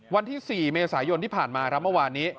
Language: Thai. วันที่๔เมษายนที่ผ่านมาครับเมื่อวานนี้